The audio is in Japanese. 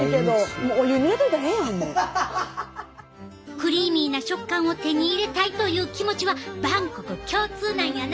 クリーミーな食感を手に入れたいという気持ちは万国共通なんやな！